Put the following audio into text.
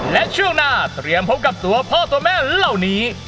และช่วงหน้าเตรียมพบกับตัวพ่อตัวแม่เหล่านี้